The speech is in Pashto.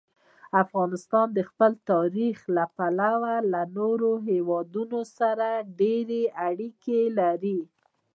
افغانستان د خپل تاریخ له پلوه له نورو هېوادونو سره ډېرې اړیکې لري.